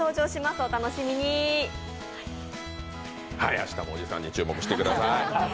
明日もおじさんに注目してください。